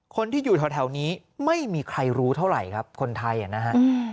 คนที่อยู่แถวนี้ไม่มีใครรู้เท่าไหร่ครับคนไทยนะฮะ